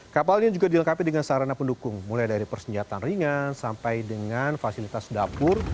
kapal ini juga dilengkapi dengan sarana pendukung mulai dari persenjataan ringan sampai dengan fasilitas dapur